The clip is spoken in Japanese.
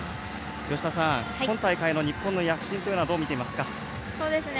吉田さん、今大会の日本の躍進というのはどう見ていますか。